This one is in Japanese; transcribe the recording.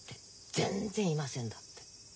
「全然いません」だって。